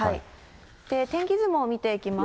天気図も見ていきます。